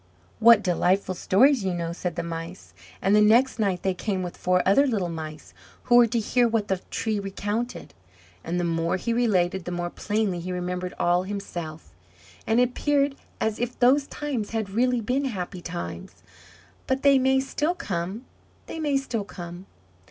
"What delightful stories you know!" said the Mice: and the next night they came with four other little Mice, who were to hear what the tree recounted; and the more he related, the more plainly he remembered all himself; and it appeared as if those times had really been happy times. "But they may still come they may still come.